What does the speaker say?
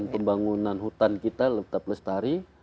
pembangunan hutan kita tetap lestari